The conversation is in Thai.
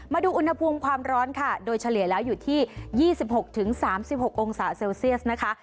มาดูอุณหภูมิความร้อนค่ะโดยเฉลี่ยแล้วอยู่ที่๒๖๓๖องศาเซลเซียสนะคะ